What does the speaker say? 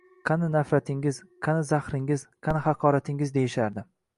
qani nafratingiz, qani zahringiz, qani haqoratingiz?” deyishardi.